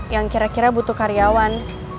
yang kira kira butuh karyawan